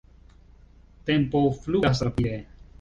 Tempo flugas rapide.